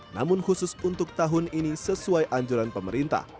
namun khusus untuk tahun ini sesuai anjuran pemerintah